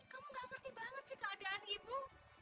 kamu gak ngerti banget sih keadaan ibu